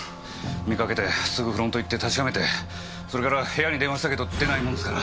見かけてすぐフロント行って確かめてそれから部屋に電話したけど出ないもんですから。